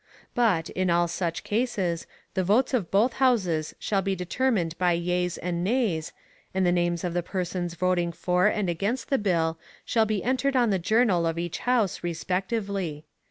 But, in all such cases, the votes of both Houses shall be determined by yeas and nays, and the names of the persons voting for and against the bill shall be entered on the journal of each House, respectively.